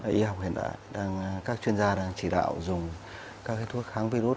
y học hiện đại các chuyên gia đang chỉ đạo dùng các thuốc kháng virus